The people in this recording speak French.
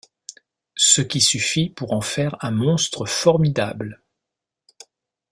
Ce qui suffit pour en faire un monstre formidable.